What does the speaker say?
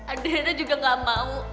adriana juga gak mau